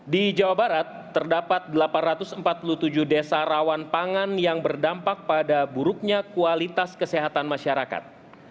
di jawa barat terdapat delapan ratus empat puluh tujuh desa rawan pangan yang berdampak pada buruknya kualitas kesehatan masyarakat